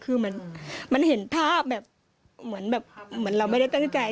คือมันเห็นภาพแบบเหมือนเราไม่ได้ตั้งใจ